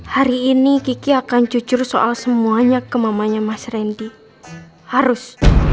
hari ini kiki akan jujur soal semuanya ke mamanya mas randy harus